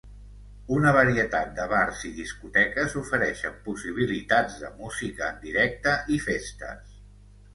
Una varietat de bars i discoteques ofereixen possibilitats de música en directe i festes.